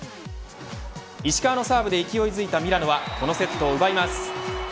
石川のサーブで勢いづいたミラノはこのセットを奪います。